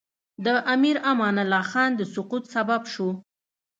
د امیر امان الله خان د سقوط سبب شو.